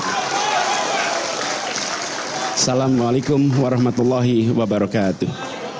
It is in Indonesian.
assalamualaikum warahmatullahi wabarakatuh